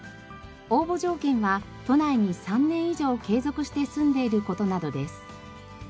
応募条件は都内に３年以上継続して住んでいる事などです。